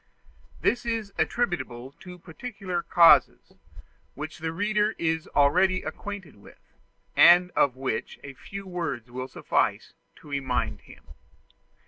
This is attributable to peculiar causes, which the reader is already acquainted with, and of which a few words will suffice to remind him.